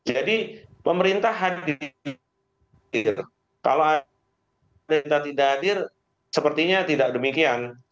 jadi pemerintah hadir kalau ada yang tidak hadir sepertinya tidak demikian